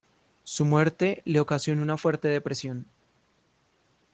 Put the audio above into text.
Su muerte le ocasionó una fuerte depresión.